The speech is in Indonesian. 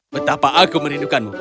betapa aku merindukanmu